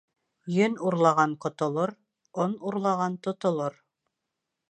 Йөн урлаған ҡотолор, он урлаған тотолор.